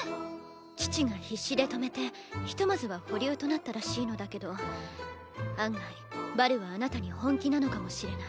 父が必死で止めてひとまずは保留となったらしいのだけど案外バルはあなたに本気なのかもしれない。